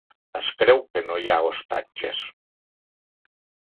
Es creu que no hi ha ostatges.